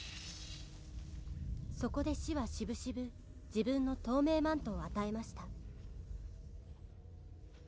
「そこで死はしぶしぶ自分の透明マントを与えました」